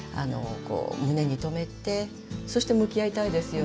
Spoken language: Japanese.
胸に留めてそして向き合いたいですよね。